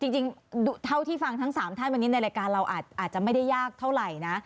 จริงเท่าที่ฟังทั้ง๓ท่านวันนี้ในรายการเราอาจจะไม่ได้ยากเท่าไหร่นะ